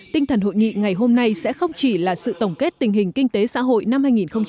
tinh thần hội nghị ngày hôm nay sẽ không chỉ là sự tổng kết tình hình kinh tế xã hội năm hai nghìn một mươi tám